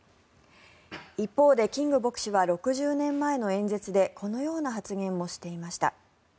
一方でキング牧師は６０年前の演説でこのような発言もしていました。